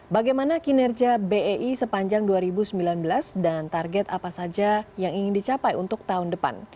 bagaimana kinerja bei sepanjang dua ribu sembilan belas dan target apa saja yang ingin dicapai untuk tahun depan